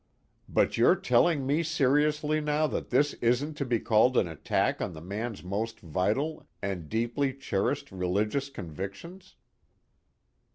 But you're telling me seriously now that this isn't to be called an attack on the man's most vital and deeply cherished religious convictions?"